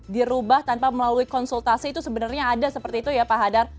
dirubah tanpa melalui konsultasi itu sebenarnya ada seperti itu ya pak hadar